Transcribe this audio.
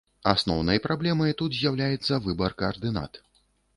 Асноўнай праблемай тут з'яўляецца выбар каардынат.